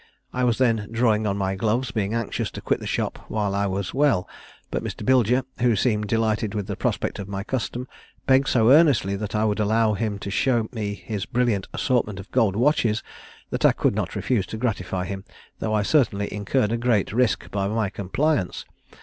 I was then drawing on my gloves, being anxious to quit the shop while I was well; but Mr. Bilger, who seemed delighted with the prospect of my custom, begged so earnestly that I would allow him to show me his brilliant assortment of gold watches that I could not refuse to gratify him, though I certainly incurred a great risk by my compliance.